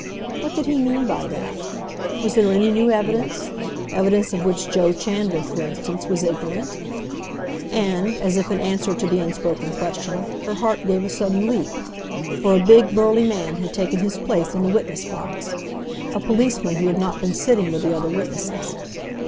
What did he mean by that? Was there any new evidence—evidence of which Joe Chandler, for instance, was ignorant? And, as if in answer to the unspoken question, her heart gave a sudden leap, for a big, burly man had taken his place in the witness box—a policeman who had not been sitting with the other witnesses.